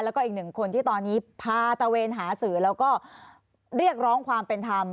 แล้วก็อีกหนึ่งคนที่ตอนนี้พาตะเวนหาสื่อแล้วก็เรียกร้องความเป็นธรรม